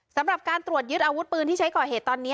สำหรับการตรวจยึดอาวุธปืนที่ใช้ก่อเหตุตอนนี้